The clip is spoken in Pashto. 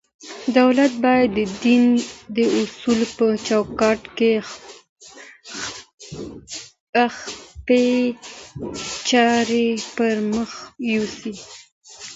دولت بايد د دين د اصولو په چوکاټ کي خپلي چارې پر مخ يوسي.